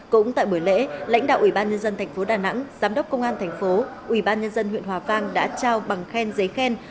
cũng tại buổi lễ lãnh đạo ủy ban nhân dân tp đà nẵng giám đốc công an thành phố ủy ban nhân dân huyện hòa vang đã trao bằng khen giấy khen